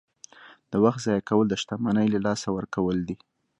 • د وخت ضایع کول د شتمنۍ له لاسه ورکول دي.